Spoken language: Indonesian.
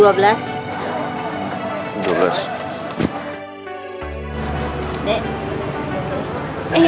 iya bu ini lagi dicari duitnya